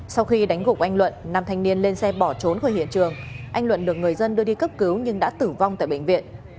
sau khi đánh gục anh luận nam thanh niên lên xe bỏ trốn khỏi hiện trường anh luận được người dân đưa đi cấp cứu nhưng đã tử vong tại bệnh viện